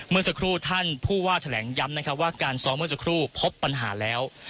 เมื่อสักครู่ท่านผู้ว่าแถลงย้ำนะครับว่าการซ้อมเมื่อสักครู่พบปัญหาแล้ว